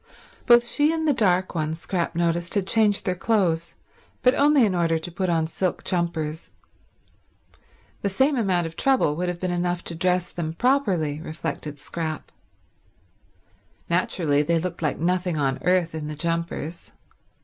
Both she and the dark one, Scrap noticed, had changed their clothes, but only in order to put on silk jumpers. The same amount of trouble would have been enough to dress them properly, reflected Scrap. Naturally they looked like nothing on earth in the jumpers.